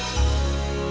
gua mau tidur